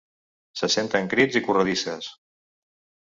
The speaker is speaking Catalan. Se senten crits i corredisses.